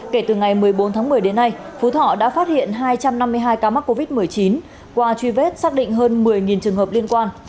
kể từ ngày một mươi bốn tháng một mươi đến nay phú thọ đã phát hiện hai trăm năm mươi hai ca mắc covid một mươi chín qua truy vết xác định hơn một mươi trường hợp liên quan